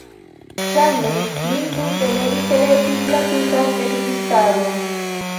Ŝajne lin tute ne interesis la tuta ekzistado.